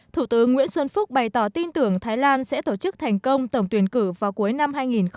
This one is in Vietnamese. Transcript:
thủ tướng nguyễn xuân phúc bày tỏ tin tưởng thái lan sẽ tổ chức thành công tổng tuyển cử vào cuối năm hai nghìn hai mươi